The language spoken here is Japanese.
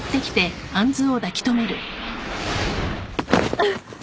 あっ！